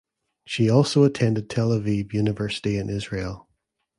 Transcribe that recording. She also attended Tel Aviv University in Israel.